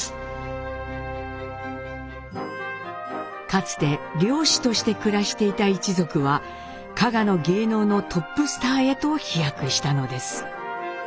かつて漁師として暮らしていた一族は加賀の芸能のトップスターへと飛躍したのです。